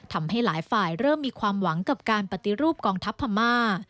ทำให้หลายฝ่ายเริ่มมีความหวังกับการปฏิรูปกองทัพพม่า